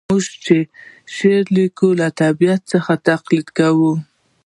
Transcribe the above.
موږ چي شعر لیکو له طبیعت څخه تقلید کوو.